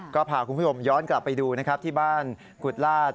ก็พาคุณผู้ชมย้อนกลับไปดูนะครับที่บ้านกุฎลาศ